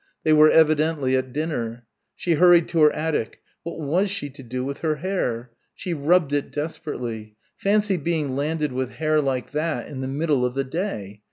They were evidently at dinner. She hurried to her attic. What was she to do with her hair? She rubbed it desperately fancy being landed with hair like that, in the middle of the day!